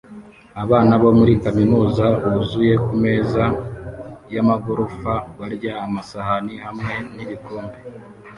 Abana bo muri kaminuza buzuye kumeza yamagorofa barya amasahani hamwe nibikombe